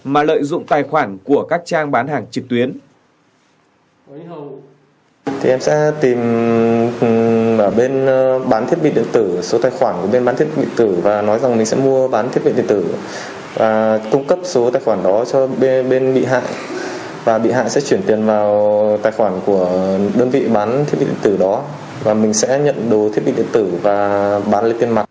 mà lợi dụng tài khoản của các trang bán hàng trực tuyến